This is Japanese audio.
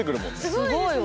すごいわ。